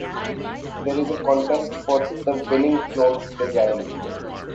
There is a contest for the winning float design.